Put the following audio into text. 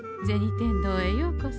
天堂へようこそ。